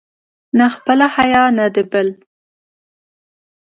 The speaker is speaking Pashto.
نه خپله حیا، نه د بل.